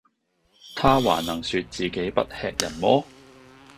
他還能説自己不喫人麼？